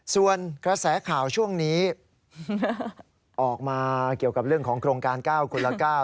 ส่วนกระแสข่าวช่วงนี้ออกมาเกี่ยวกับเรื่องของโครงการ๙คนละ๙